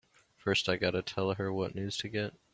First I gotta tell her what news to get!